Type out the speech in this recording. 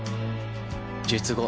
術後